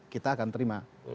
kita akan terima